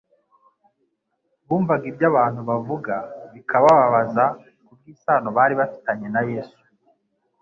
Bumvaga ibyo abantu bavuga bikabababaza kubw'isano bari bafitanye na Yesu.